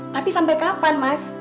tapi sampai kapan mas